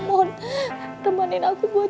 mohon temanin aku buat